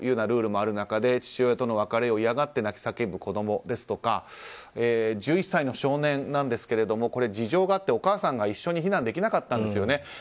ルールもある中で父親との別れを嫌がって泣き叫ぶ子供ですとか１１歳の少年なんですけれども事情があってお母さんが一緒に避難できなかったんですよね。